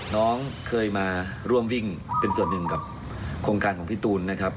น้องเคยมาร่วมวิ่งเป็นส่วนหนึ่งกับโครงการของพี่ตูนนะครับ